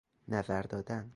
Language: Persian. نظر دادن